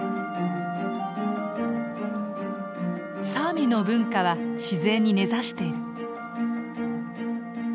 サーミの文化は自然に根ざしている。